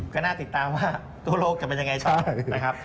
ก็น่าติดตามว่าทั่วโลกจะเป็นยังไงต่อนะครับ